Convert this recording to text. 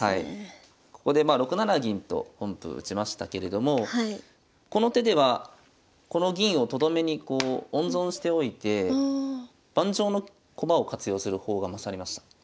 ここでまあ６七銀と本譜打ちましたけれどもこの手ではこの銀をとどめに温存しておいて盤上の駒を活用する方が勝りました。